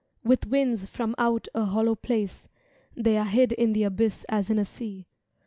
With winds from out a hollow place; They are hid in the abyss as in a sea.